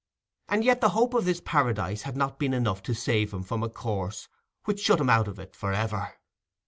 And yet the hope of this paradise had not been enough to save him from a course which shut him out of it for ever.